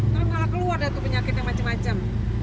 ntar malah keluar dah tuh penyakit yang macem macem